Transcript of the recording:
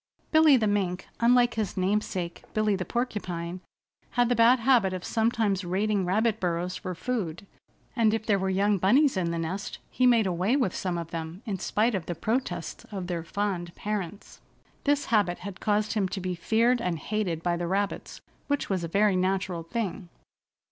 Billy the Mink, unlike his namesake Billy the Porcupine, had the bad habit of sometimes raiding rabbit burrows for food, and if there were young bunnies in the nest he made away with some of them in spite of the protests of their fond parents. This habit had caused him to be feared and hated by the rabbits, which was a very natural thing.